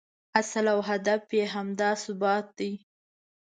اصل او هدف یې همدا ثبات دی.